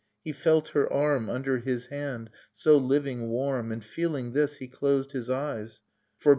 He felt her arm Under his hand, so living warm, And feeling this, he closed his eyes, Forbp.